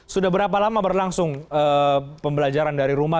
sudah berapa lama berlangsung pembelajaran dari rumah